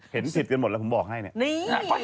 เห็นถิดกันหมดแหละผมบอกให้นั่น